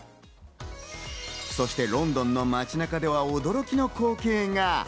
そしてロンドンの街中では驚きの光景が。